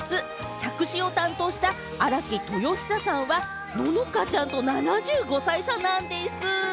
作詞を担当した荒木とよひささんは乃々佳ちゃんと７５歳差なんです。